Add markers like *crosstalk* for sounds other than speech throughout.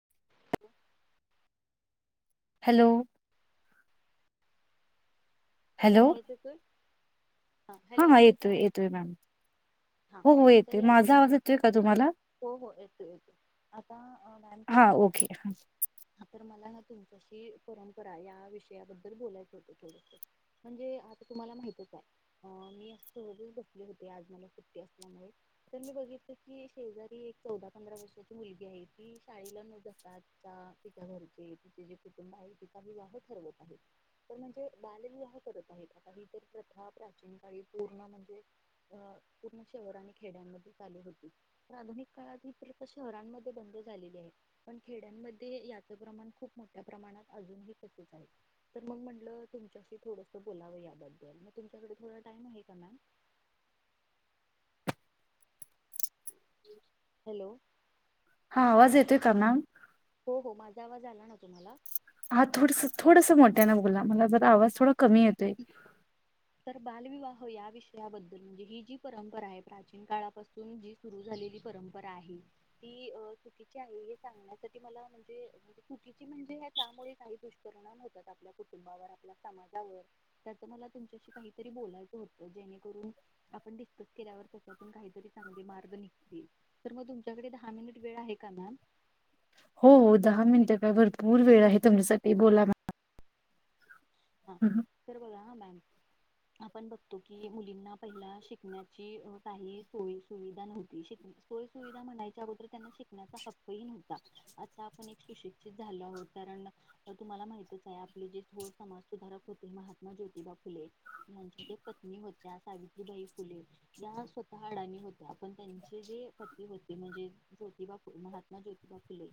*inaudible* Hello hello आवाज येतोय? हा हा येतोय येतोय मॅम. हो हो येतोय माझा आवाज येतोय का तुम्हाला? हो हो येतो येतो आता मॅम हा कसा ओके माहितयं तर मला तुमच्याशी परंपरा या विषयाबद्दल बोलायच होत थोडस. म्हणजे आता तुम्हाला माहितच आहे अ मी अस सहजच बसले होते आज मला सुट्टी असल्यामुळे. तर मी बघितलं की शेजारी एक चौदा पंधरा वर्षाची मुलगी आहे ती शाळेला न जाता तिच्या अ तिच्या घरचे तिचे जे कुटुंब आहे तिचा विवाह ठरवत आहे तर म्हणजे बालविवाह करत आहेत आता ही तर *unintelligible* प्रथा प्राचीन काळी पूर्ण म्हणजे अ पूर्ण शहर आणि खेड्यांमध्ये चालू होती पण अगदी काळाआधी ही प्रथा शहरांमध्ये बंद झालेली आहे पण खेड्यांमध्ये याचं प्रमाण खूप मोठ्या प्रमाण मनात अजूनही तसंच आहे, तर मग म्हणलं तुमच्याशी थोडंस बोलावं याबद्दल, मग तुमच्याकडे थोडा टाइम आहे का मॅम? *unintelligible* हॅलो. आवाज येतोय का मॅम? हो हो. माझा आवाज आला ना तुम्हाला? हा थोडसंच थोडसं मोठ्यानं बोला मला जरा आवाज थोडा कमी येतोय. ‌ ‌ तर बालविवाह या विषयाबद्दल म्हणजे ही जी परंपरा आहे प्राचीन काळापासून जी सुरु झाली. लेली परंपरा आहे, ती अ चुकीची आहे हे सांगण्यासाठी मला म्हणजे चुकीची म्हणजे हे त्यामुळे काही दुष्पिणाम होतात आपल्या कुटुंबावर आपल्या समाजावर त्याचं मला तुमच्याशी काहीतरी बोलायचं होतं जेणे करून, आपण डिस्कस केल्यावर त्याच्यातून काहीतरी चांगले मार्ग निघती तर मग तुमच्याकडे दहा मिनिट वेळ आहे का मॅम? हो हो, दहा मिनिट काय भरपूर वेळ आहे तुमच्यासाठी बोला ना. हा तर बघा अ मॅम. *unintelligible* आपण बघतो की मुलींना पहिला शिकण्याची काही सोय, सुविधा नव्हती शिकण् सोय सुुविधा म्हणायच्या अगोदर त्यांना शिकण्याचा हक्कही नव्हता. आता आपण एक सुशिक्षित झालो आहोत कारण, तुम्हाला माहितच आहे आपले जे थोर समाज सुधारक होते महात्मा ज्योतिबा फुले यांच्या ते पत्नी होत्या सावित्रीबाई फुले या त्या स्वतः अडानी होत्या पण त्यांचे जे पती होते म्हणजे ज्योतिबा फु महात्मा ज्योतिबा.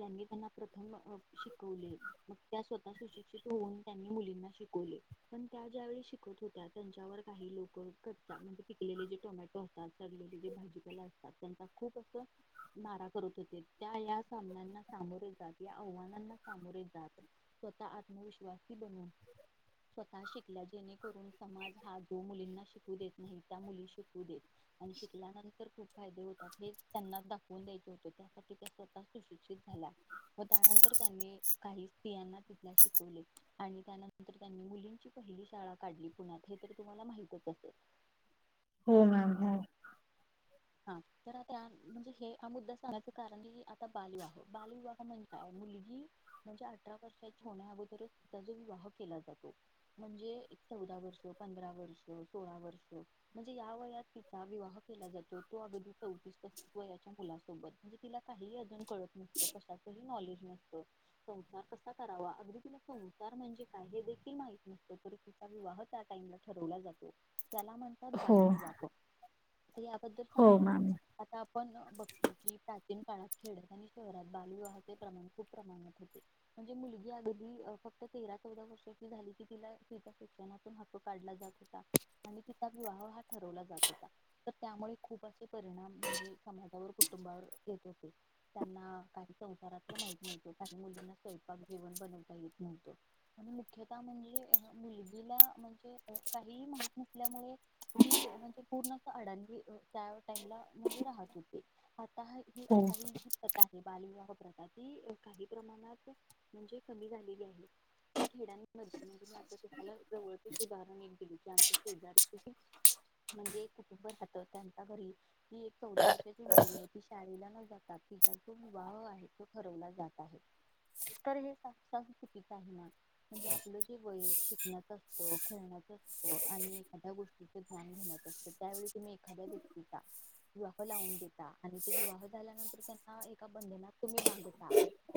यांनी त्यांना प्रथम शिकवले मग त्या स्वतः सुशिक्षित होऊन त्यांनी मुलींना शिकवले पण त्या ज्या वेळी शिकत होत्या त्यांच्यावर काही लोक कचरा म्हणजे- सडलेले जे टोमॅटो असतात, सडलेले जे भाजीपाला असतात त्यांचा खूप असं मारा करत होते. त्या या सामन्यांना सामोरे जात या आव्हानांना सामोर जात स्वतः आत्मविश्वास ही बनून. स्वतः शिकल्या जेणेकरून समाज हा जो मुलींना शिकू देत नाही त्या मुली शिकू दे आणि शिकल्यानंतर खूप फायदे होतात हे त्यांना दा वून द्यायचं होतं, त्यासाठी त्या स्वतः सुशिक्षित झाल्या व त्यानंतर त्यांनी काही. तियांना तिथनं शिकवले. आणि त्यानंतर त्यांनी मुलींची पहिली शाळा काढली पुण्यात हे तर तुम्हाला माहितच असेल. *unintelligible* हो मॅम हो. हा, तर आता म्हणजे हे हा मुद्दा सांगायचं कारण की आता बालविवाह, बालविवाह म्हणजे काय मुलगी म्हणजे अठरा वर्षाची होण्याअगोदर तिचा जो विवाह केला जातो म्हणजे चौदा वर्ष, पंधरा वर्ष, सोळा वर्ष, म्हणजे या वयात तिचा विवाह केल त तो अगदी चौतीस, पस्तीस वयाच्या मुलासो बत म्हणजे तिला काहीही अजून कळत नसतं कशाच ही नॉलेज नसतं, संसार कसा करावा म्हणजे तिला संसार म्हणजे काय हे देखील माहीत नसतं तरी तिचा विवाह त्या टाईमला ठरवला जातो. त्याला म्हणतात हो बालविवाह ते *inaudible* हो सांगण्यात मॅम येते आता आपण आपण बघतो की प्राचीन काळात खेड्यात आणि शहरात बालविवाह चे प्रमाण खूप प्रमाणात होते. म्हणजे मुलगी अगदी फक्त तेरा चौदा, वर्षाची झाली की तिला तिचा शिक्षणातून हक्क काढला जात होता. आणि तिचा विवाह हा ठरवला जात होता त त्यामुळे खूप असे परिणाम म्हणजे समाजावर, कुटुंबावर येत होते त्यांना काही सं घरातलं माहित नव्हतं काही मुलींना स्वयंपाक जेवण बनवता येत नव्हतं आणि मुख्यत म्हणजे अ मुलगीला म्हणजे काहीही माहित नसल्यामुळे ती अ म्हणजे पूर्ण असं अडाणी अ त्या टाईमला म्हणजे राहत होते, आता ही हो जी प्रथा आहे बालविवाह प्रजाती काही प्रमाणात म्हणजे कमी झालेली आहेत. पण खेड्यामध्ये जुन्या आता तुम्हाला जर ओळखीचं *unintelligible* जे आमचे शेजारची कनी *inaudible* म्हणजे कुटुंब राहते. तर त्यांच्या घरी ती एक चौदा वर्षाची मुलगी आहे ती शाळेला न जाता तिचा जो विवाह आहे. तो ठरवला जात आहे. तर हे साफ, साफ् चुकीच आहे ना म्हणजे आपलं जे वय शिकण्यात असतं खेळण्याच आणि एखाद्या गोष्टीच ध्यान घेण्यात असत त्यावेळी तुम्ही एखाद्या व्यक्तीचा विवाह लावून देता आणि ते विवाह झाल्यानंतर त्यांना एका बंधनात तुम्ही बांधता.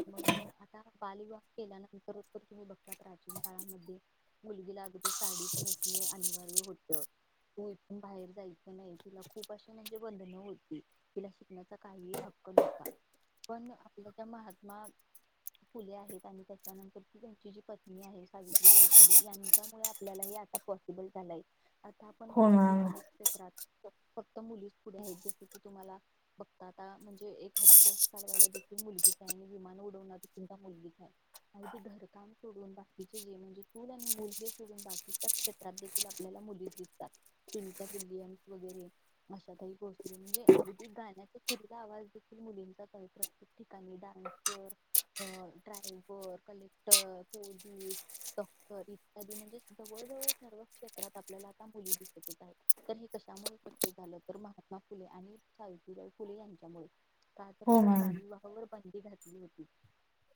मग आता बालविवाह केल्यानंतर तुम्ही बघता प्राचीन काळामध्ये मुलगीला अगदी साडीच् नेसने अनिवार्य होत. तू इथून बाहेर जायच नाही. तिला खूप अशा म्हणजे बंधनं होती तिला शिकण्याचा काहीही हक्क नव्हता. पण आपल्या जा महात्मा फुले आहेत आणि त्याच्यानंतर ती त्यांची जी पत्नी आहे सावित्रीबाई फुले यांच्यामुळे आपल्याला या आता पोसीबल झालय आता आपण हो बगतो की मॅम अनेक क्षेत्रात फक्त मुलीच् पुढे आहेत. जस की तुम्हाला बघता आता म्हणजे एखादी गोष्ट करायला देखील मुलगीच आहे आणि विमान उडवन् देखील मुलगीच आहे अगदी घरकाम सोडून बाकीचे हे म्हणजे चूल आणि मुल हे सोडून बाकीच्या क्षेत्रात दिसू लागलेल्या मुलीच दिसतात. सुनीता वीलियम्स वगैरे अशा ताई भोसले म्हणजे अगदी गाण्याचा सुद्धा आवाज देखील मुलींचा. अता काही प्रत्येक ठिकाणी डान्सर, अ ड्रायव्हर, कलेक्टर, पोलीस *unintelligible* इत्यादी म्हणजे जवळ जवळ सर्वच क्षेत्रात आपल्याला आता मुलीच दिसून येत आहेत. तर हे कशामुळे सत्य झालं तर महात्मा फुले आणि सावित्रीफुले यांच्यामुळे. तर हो त्यांनी मॅम बालविवाहावर बंदी घातली होती.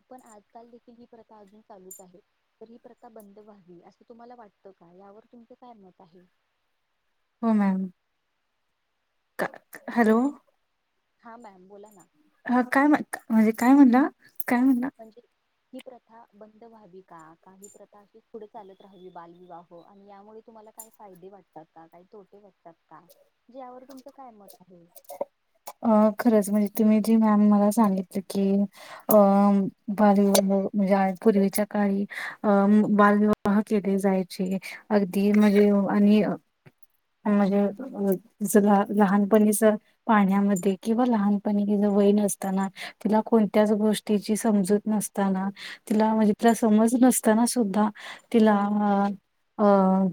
पण आजकाल देखील ही प्रथा अजून चालूच आहे तर ही प्रथा बंद व्हावी असं तुम्हाला वाटत का? यावर तुमच काय मत आहे. हो मॅम. हॅलो. हा मॅम बोला ना. अ काय म्हणता, म्हणजे काय म्हणला काय? म्हणला म्हणजे ही प्रथा बंद व्हावी का? का ही प्रथा अशी पुढं चालत राहावी बालविवाह आणि यामुळे तुम्हाला मला काही फायदे वाटतात का? काही तोटे वाटतात का? यावर तुमचं काय मत आहे. *inaudible* अ खरंच म्हणजे तुम्ही जी मॅम मला सांगितली की अ बाली वगै म्हणे आज पूर्वीच्या काळी अ बालविवाह केले जायचे अगदी म्हणजे त्यो आणि म्हणजे *unintelligible* सगळं लहानपणीच पाळण्यामध्ये किंवा लहानपणी तिच वय नअसताना तिला कोणत्याच गोष्टीची समजूत नसताना तिला म्हणजे तिला समज नसताना सुद्धा तिला अ अ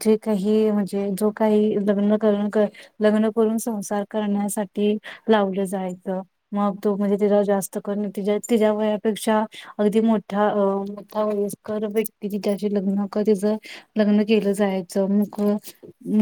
जे काही म्हणजे जो काही लग्न करून लग्न करून संसार कर करण्यासाठी लावलं जायचं. मग तो म्हणजे तिला जास्त करुन तिला तिच्या वयापेक्षा अगदी मो ठा मोठा वयस्कर व्यक्ती तिच्याशी लग्न कर तिच लग्न केलं जायचं. मग अ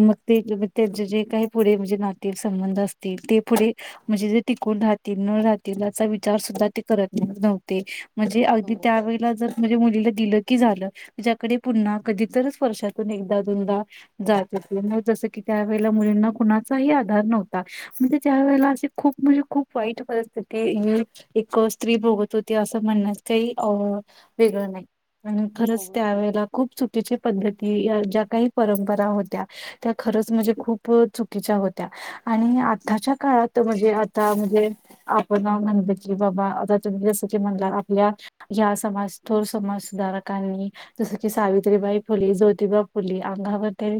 मग ते त्याचे जे काही पुढे म्हणजे नाते संबंध असतील ते पुढे म्हणजे जे टिकून राहतील न राहतील असा विचार सुद्धा ते करत नव्हते. म्हणजे अगदी हो त्यावेळेला जरस म्हणजे मुले म्हणजे दिल की झालं तिच्याकडे पुन्हा कधीतरी वर्षातून एकदा, दोनदा जात असे. मग जसे की त्या वेळेला मुलींना कुणाचाही आधार नव्हता. मग ते ज्या वेळेला म्हणजे खुप म्हणजे खुप वाईट परिस्तिथी एक, एक स्त्री भोगत होती. अस म्हणण्यात काही हो वेगळा नाही अन हो खरच त्या बरोबर वेळेला खूप चुकीची पध्दत ती अन ज्या काही परंपरा होत्या त्या खरंच म्हणजे खूप चुकीच्या होत्या आणि आत्ताच्या काळात म्हणजे आता म्हणजे आपण म्हणल की बा-बा आता तुम्ही जसं की म्हणला आपल्या या समाजथोर समाज सुधारकांनी जस की सावित्रीबाई फुले ज्योतिबा फुले अंग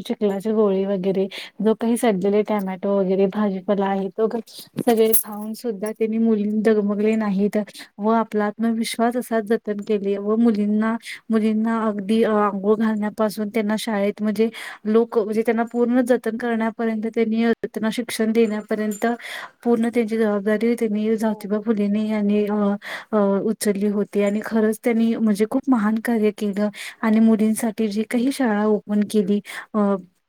- *unintelligible* चला गोळी वगैरे जो काही सडलेले टॅमॅटो वगैरे भाजीपाला आहे त सगळे खऊन सुद्धा त्यांनी मुली दगमगले नाहीत व आपला आत्मविश्वास वारसा जतन केले व मुलींना मुलींना अगदी आंघोळ घालण्यापासून त्यांना शाळेत - म्हणजे लोक म्हणजे त्यांना पूर्ण जतन करण्यापर्यंत त्यांनी त्यांना शिक्षण देण्यापर्यंत - पूर्ण त्यांची जबाबदारी त्यांनी हो जोतीबा फुलेनी आणि अ अ उचली होती आणि खरच त्यांनी म्हणजे खूप महान कार्य केल आणि मुली- मुलीसाठी जी काही शाळा ओपन केली अ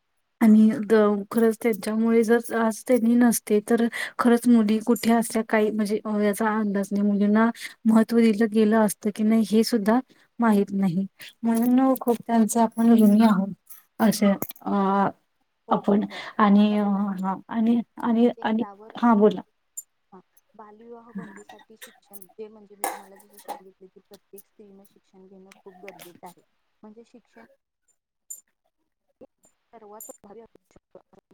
- आणि त खरंच त्यांच्यामुळे जर आज त्यांनी नसते ते तर खरंच मुली कुठे असल्या काही म्हणजे याचा अंदाज नाही मुलींना महत्त्व दिलं- गेल असत की नाही हे सुद्धा माहत नाही म्हणून खूप त्यांच आपण ऋणी आहोत. अशात अ - हो आपण बरोबर आणि आता बघा ना हा आणि आणि म्हणजे आणि यावर हा बोला - हा बालविवाह बंदीसाठी शिक्षण - ते म्हणजे मी तुम्हाला जस सांगितले की प्रत्येक स्त्री न शिक्षण घेणं खूप गरजेचं आहे. म्हणजे शिक्षण - परवा तर- *unintelligible*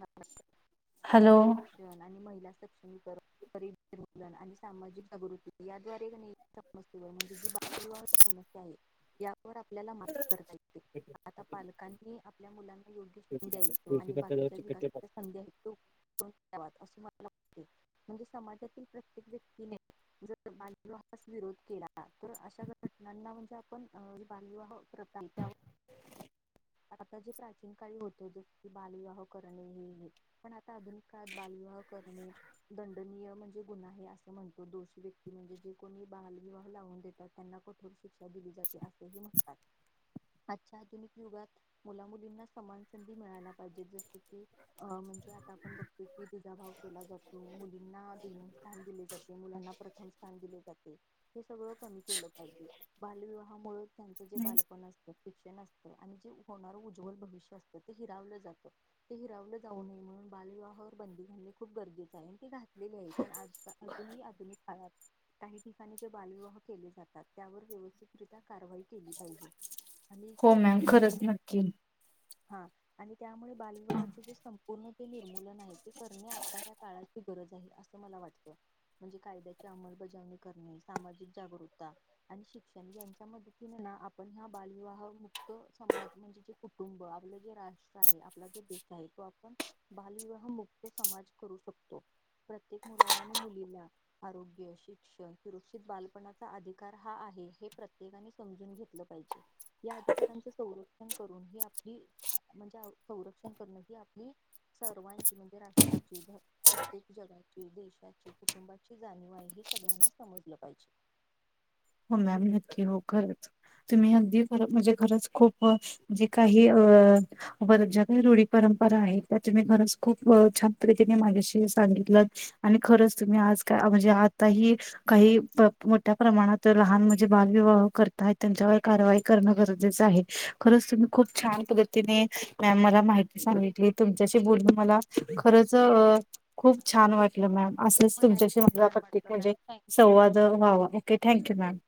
हॅलो यांच शिक्षण आणि महिला सक्षमीकरण - मीलन आणि सामाजिक जागृती या द्वारे गणित - म म्हणजे जी बाल विवाह समस्या आहे या- तर आपल्याला माफ करता येते आता पालकांनी आप - मुलांना योग्य शिकून द्यायच आणि बाकीच्या जास्त ज्या संधी आहेत - असे मला वाटते म्हणजे समाजातील प्रत्येक व्यक्तीने - जर बालविवाहास विरोध केला तर अशा घटनांना म्हणजे आपण जे बालविवाह - च्या *unintelligible* *unintelligible* जे प्राचीन काळी होत जस की बालविवाह करणे हे पण आता आधुनिक काळात बालविवाह करणे - दंडनीय म्हणजे गुण आहे असे म्हणतो दोषी व्यक्ती म्हणजे जे कोणी बाल विवाह लावून देत - त्यांना कठोर शिक्षा दिली जाते हि म्हणतात आजच्या आधुनिक युगात - मुला मुलींना समान संधी- झाला पाहिजे जस की आजकाल म्हणजे आता आपण बघतो की दुजाभव केला जातो मुलींना - मुलींना दुय्यम स्थान दिले जाते मुलांना प्रथम स्थान दिले जाते. सगळ कमी केलं पाहिजे बालविवाहामुळे त्यांच जे बालपण असत शिक्षण असतं आणि जे - होणार उज्ज्वल भविष्य असतं ते हिरावलं जात ते हिरावलं जाऊ नये म्हणून बालविवाहावर बंदी घातली- खूप गरजेचं आहे आणि ते घातलेले आहे पण आजकाल अजूनही आधुनिक काळात - काही ठिकाणी जे बालविवाह केले जातात त्यावर व्यवस्थितरित्या कारवाई केली पाहिजे आणि हो जे मॅम खरंच भविष्य नक्की हा आणि त्यामुळे बालविवाहाचे जे संपूर्ण ते निर्मूलन आहे ते करणे आताच्या काळातची गरज आहे असं मला वाटत म्हणजे कायद्याची अंमलबजावणी करणे सामाजिक जागरूकता आणि शिक्षण यांच्या मदतीने ना आपण हा बालविवाह मुक्त समाज म्हणजे जे कुटुंब आपलं जे राष्ट्र आहे आपला जे देश आहे तो आपण बालविवाह मुक् समाज करू शकतो प्रत्येक मुलाला आणि मुलीला आरोग्य शिक्षण सुरक्षित बालपणाचा अधिकार हा आहे हे प्रत्येकाने समजून घेतलं पाहिजे या अधिकारांचे ह ून ह आपली म्हणजे संरक्षण करण ही आपली सर्वांची म्हणजे राष्ट्राची प्रत्येक जगाची देशाची कुटुंबाची जाणीव आहे ही सगळ्यांना समजलं पाहिजे हो मॅम नक्की हो खरंच तुम्ही अगदी म्हणजे खरंच खूप जे काही अ वरज काही रूढीप ख खप छान माझ्या सगित खर तम् आ *unintelligible* म्हणजे आता हि काही मोठ्या प्रमाणात - - लहान म्हणजे बालविवाह करताय त्यांच्यावर कारवाई करणं गरजेचं आहे. खरंच तुम्ही खूप छान - - पद्धतीने मॅम मला माहिती सांगितली तुमच्याशी बोलुन मला खरचं - - खूप छान वाटलं मॅम. असंच मलाही तुमच्याशी खूप मला छान प्रत्येक वाटलं मॅम म्हणजे थँक्यू संवाद व्हावा ओके. मॅम.